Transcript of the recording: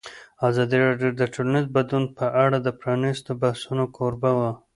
ازادي راډیو د ټولنیز بدلون په اړه د پرانیستو بحثونو کوربه وه.